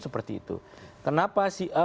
seperti itu kenapa si